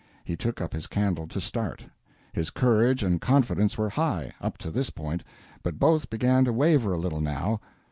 He took up his candle to start. His courage and confidence were high, up to this point, but both began to waver a little, now.